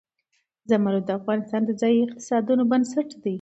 زمرد د افغانستان د ځایي اقتصادونو بنسټ دی.